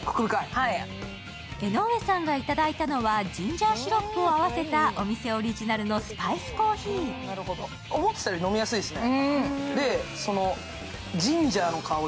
江上さんがいただいたのはジンジャーシロップを合わせたお店オリジナルのＳＰＡｉＣＥＣＯＦＦＥＥ。思ったより飲みやすいですね。